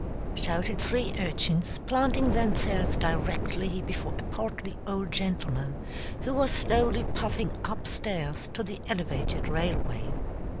shouted three urchins, planting themselves directly before a portly old gentleman who was slowly puffing up stairs to the elevated railway.